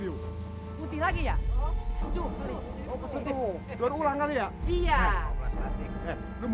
putih lagi ya seduh